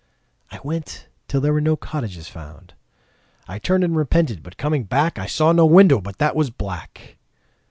I went till there were no cottages found. I turned and repented, but coming back I saw no window but that was black.